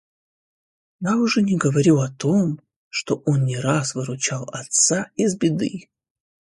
Я уже не говорю о том, что он не раз выручал отца из беды.